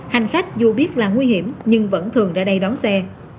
hành khách dù biết là nguy hiểm nhưng vẫn thường ra đây đón xe